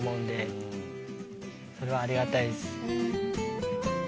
それはありがたいです。